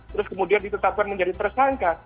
terus kemudian ditetapkan menjadi tersangka